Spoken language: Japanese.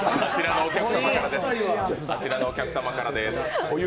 あちらのお客様からです。